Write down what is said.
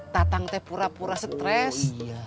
tatang teh pura pura stres